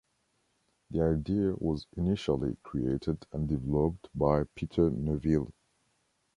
The idea was initially created and developed by Peter Neville.